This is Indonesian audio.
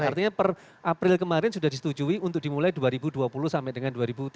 artinya per april kemarin sudah disetujui untuk dimulai dua ribu dua puluh sampai dengan dua ribu tiga puluh